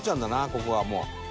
ここはもう。